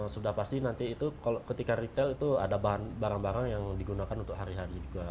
sudah pasti nanti itu ketika retail itu ada barang barang yang digunakan untuk hari hari juga